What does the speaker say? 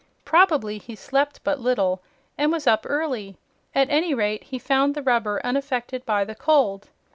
Probably he slept but little and was up early. At any rate he found the rubber unaffected by the cold.